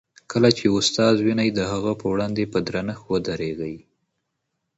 کله چي استاد وینئ، د هغه په وړاندې په درنښت ودریږئ.